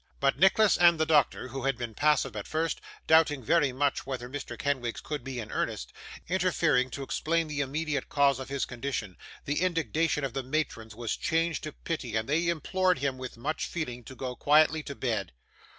But, Nicholas and the doctor who had been passive at first, doubting very much whether Mr. Kenwigs could be in earnest interfering to explain the immediate cause of his condition, the indignation of the matrons was changed to pity, and they implored him, with much feeling, to go quietly to bed.